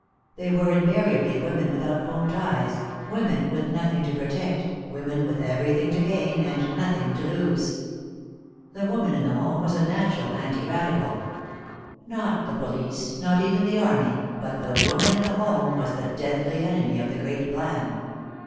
They were invariably women without home ties, women with nothing to protect, women with everything to gain and nothing to lose. The woman in the home was a natural anti radical. Not the police, not even the army, but the woman in the home was the deadly enemy of the great plan.